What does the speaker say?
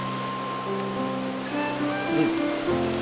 うん！